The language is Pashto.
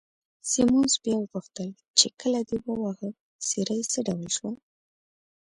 سیمونز بیا وپوښتل چې، کله دې وواهه، څېره یې څه ډول شوه؟